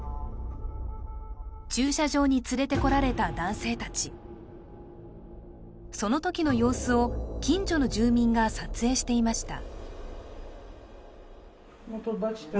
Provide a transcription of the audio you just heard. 駐車場に連れてこられた男性たちその時の様子を近所の住民が撮影していました